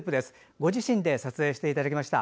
ご自分で撮影していただきました。